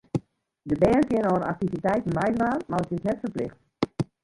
De bern kinne oan aktiviteiten meidwaan, mar it is net ferplicht.